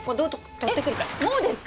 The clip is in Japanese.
えっもうですか？